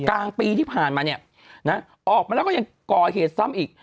กลางปีที่ผ่านมาเนี่ยนะออกมาแล้วก็ยังก่อเหตุซ้ำอีก